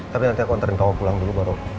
tapi nanti aku konterin kamu pulang dulu baru